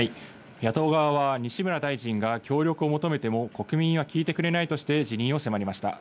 野党側は西村大臣が協力を求めても国民は聞いてくれないとして辞任を迫りました。